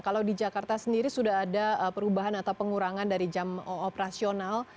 kalau di jakarta sendiri sudah ada perubahan atau pengurangan dari jam operasional